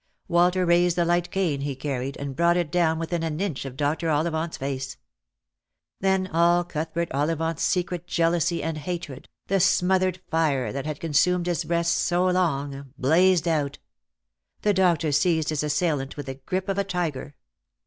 Walter raised the light cane he carried, and brought it down within an inch of Dr. Ollivant's face. Then all Cuthbert Ollivant's secret jealousy and hatred — the smothered fire that had consumed his breast so long— blazed out. The doctor seized his assailant with the grip of a tiger.